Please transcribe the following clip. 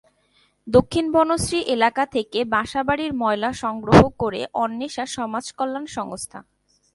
দক্ষিণ বনশ্রী এলাকা থেকে বাসাবাড়ির ময়লা সংগ্রহ করে অন্বেষা সমাজ কল্যাণ সংস্থা।